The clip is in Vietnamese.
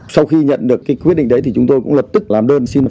sau khi nhận được quyết định đấy thì chúng tôi cũng lập tức làm đơn xin phép